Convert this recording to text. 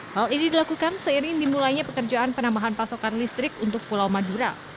hal ini dilakukan seiring dimulainya pekerjaan penambahan pasokan listrik untuk pulau madura